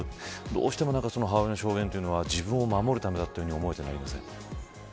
どうしても母親の証言は自分を守るためだという思いでなりません。